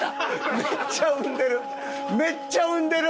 めっちゃ産んでる！